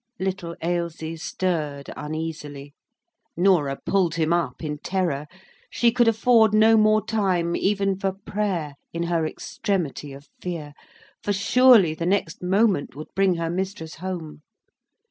Little Ailsie stirred uneasily. Norah pulled him up in terror. She could afford no more time even for prayer in her extremity of fear; for surely the next moment would bring her mistress home.